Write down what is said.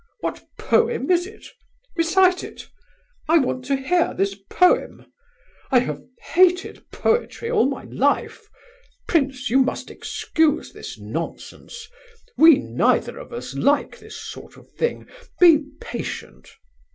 What poem is it? Recite it! I want to hear this poem! I have hated poetry all my life. Prince, you must excuse this nonsense. We neither of us like this sort of thing! Be patient!"